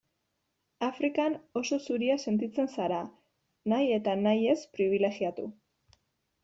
Afrikan oso zuria sentitzen zara, nahi eta nahi ez pribilegiatu.